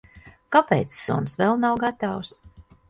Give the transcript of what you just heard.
Kāpēc suns vēl nav gatavs?